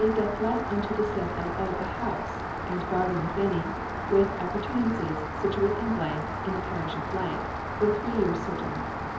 doth let unto the said L.O. a house (and garden, if any) with appurtenances, situate in , in the parish of , for three years certain.